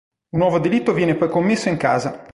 Un nuovo delitto viene poi commesso in casa.